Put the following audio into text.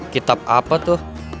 kitab apa itu